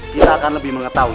kita akan lebih mengetahui